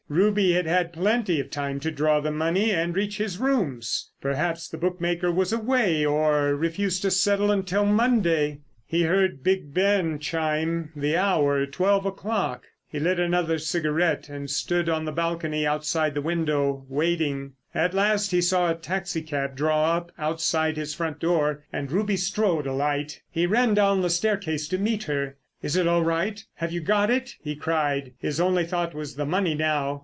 Ruby had had plenty of time to draw the money and reach his rooms! Perhaps the bookmaker was away, or refused to settle until Monday. He heard Big Ben chime the hour—twelve o'clock. He lit another cigarette and stood on the balcony outside the window waiting. At last he saw a taxi cab draw up outside his front door and Ruby Strode alight. He ran down the staircase to meet her. "Is it all right, have you got it?" he cried. His only thought was the money now.